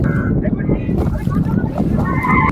څوک چي ستا په قلمرو کي کړي ښکارونه.